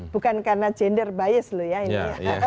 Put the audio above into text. bukan karena gender bias loh ya ini